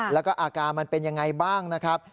แล้วก็อาการมันเป็นยังไงบ้างนะครับ